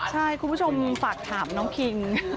ใช่คุณผู้ชมฝากถามน้องคิง